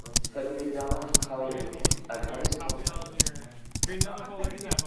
Samuel Bernard qui travaille avec lui, a gravé son portrait.